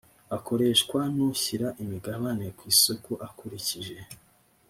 akoreshwa n ushyira imigabane ku isoko akurikije